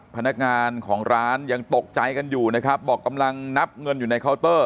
พนักงานของร้านยังตกใจกันอยู่นะครับบอกกำลังนับเงินอยู่ในเคาน์เตอร์